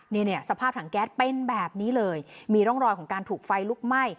นี่เนี่ยสภาพถังแก๊สเป็นแบบนี้เลยมีร่องรอยของการถูกไฟลุกไหม้